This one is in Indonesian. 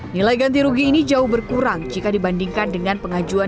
nilai ganti rugi ini jauh berkurang jika dibandingkan dengan pengajuan